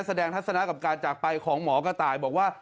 ทัศนะกับการจากไปของหมอกระต่ายบอกว่า